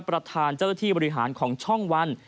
ประธานเจ้าหน้าที่บริหารของช่องวัน